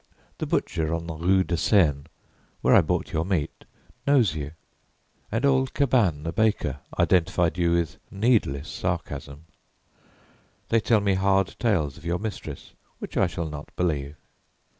The butcher on the rue de Seine, where I bought your meat, knows you, and old Cabane the baker identified you with needless sarcasm. They tell me hard tales of your mistress which I shall not believe.